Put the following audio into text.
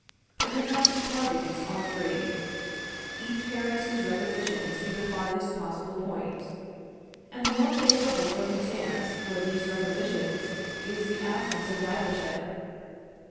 The contracting parties are free. Each carries his requisitions to the farthest possible point; and the most favorable circumstance for these requisitions is the absence of rivalship.